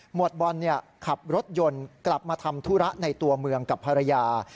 วดบอลขับรถยนต์กลับมาทำธุระในตัวเมืองกับภรรยา